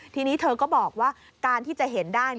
ทีนี้เธอก็บอกว่าการที่จะเห็นได้